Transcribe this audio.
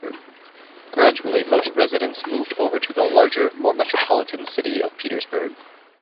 Gradually most residents moved over to the larger, more metropolitan city of Petersburg.